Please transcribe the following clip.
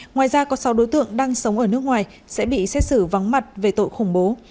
ngoài ra có sáu đối tượng đang sống ở nước ngoài sẽ bị xét xử vắng mặt về tội khủng bố